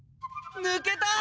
抜けた！